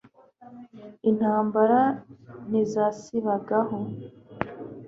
intambara ntizasibagaho